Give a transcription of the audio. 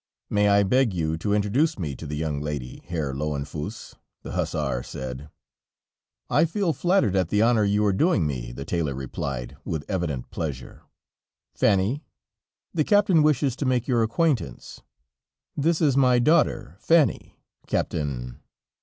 "May I beg you to introduce me to the young lady, Herr Löwenfuss?" the hussar said. "I feel flattered at the honor you are doing me," the tailor replied, with evident pleasure. "Fanny, the Captain wishes to make your acquaintance; this is my daughter, Fanny, Captain